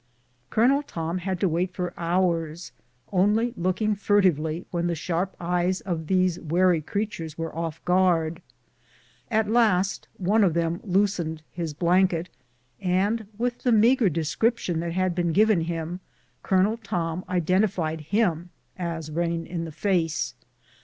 Colonel Tom had to wait for hours, only looking fur tively when the sharp eyes of these wary creatures were off guard. At last one of them loosened his blanket, and with the meagre description that had been given him. Colonel Tom identified him as Rain in the face.